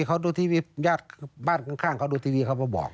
เขาดูทีวีญาติบ้านข้างเขาดูทีวีเขาก็บอก